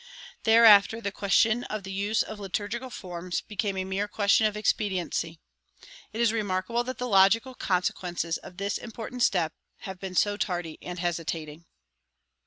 Thereafter the question of the use of liturgical forms became a mere question of expediency. It is remarkable that the logical consequences of this important step have been so tardy and hesitating.